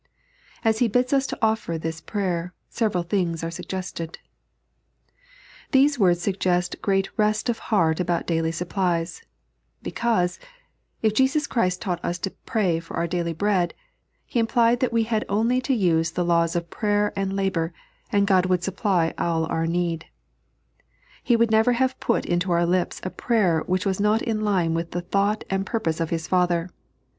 As He bids us to ofier this prayer, several things are These words suggest great rest of heart about daily supplies ; because, if Jesus Christ taught ua to pray for daily bread, He implied that we had only to use the laws of prayer and labour, and God would supply all our need. He would never have put into our lips a prayer which was not in line with the thought and purpose of His Father.